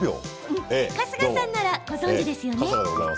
春日さんなら、ご存じですよね。